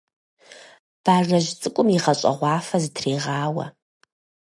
Бажэжь цӀыкӀум игъэщӀэгъуафэ зытрегъауэ.